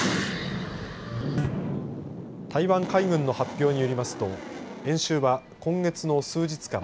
台湾海軍の発表によりますと演習は、今月の数日間